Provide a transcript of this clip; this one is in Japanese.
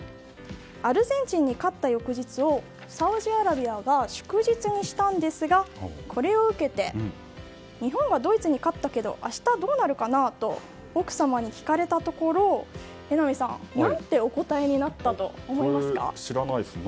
アルゼンチンに勝った翌日をサウジアラビアが祝日にしたんですがこれを受けて日本がドイツに勝ったけど明日どうなるかなと奥様に聞かれたところ榎並さん、何てお答えになったと思いますか？